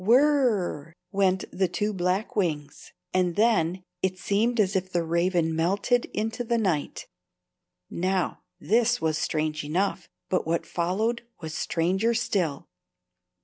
"Whir r r" went the two black wings, and then it seemed as if the Raven melted into the night. Now, this was strange enough, but what followed was stranger still.